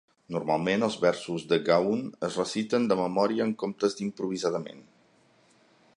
Normalment, els versos de gaun es reciten de memòria en comptes d'improvisadament.